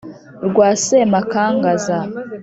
rwa semakangaza;